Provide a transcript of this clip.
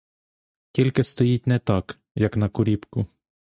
Тільки стоїть не так, як на куріпку.